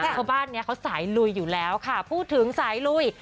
เพราะบ้านนี้เขาสายลุยอยู่แล้วค่ะพูดถึงสายลุย